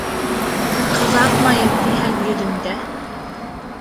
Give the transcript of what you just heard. Ҡыҙартмайым тиһәң йөҙөндә